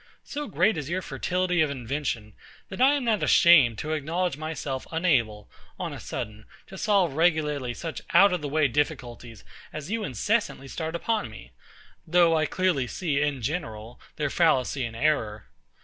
So great is your fertility of invention, that I am not ashamed to acknowledge myself unable, on a sudden, to solve regularly such out of the way difficulties as you incessantly start upon me: though I clearly see, in general, their fallacy and error.